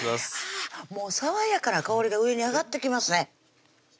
もうさわやかな香りが上に上がってきますね